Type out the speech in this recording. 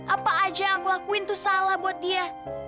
apa aja yang aku lakuin itu salah buat dia